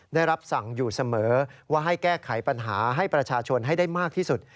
ได้รับสั่งอยู่เสมอว่าให้แก้ไขปัญหาให้ประชาชนให้ได้มากที่สุด